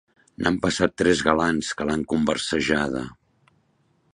N'han passat tres galants que l'han conversejada.